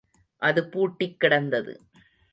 அது பூட்டிக் கிடந்தது.